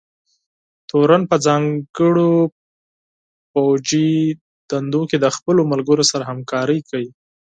تورن په ځانګړو پوځي دندو کې د خپلو ملګرو سره همکارۍ کوي.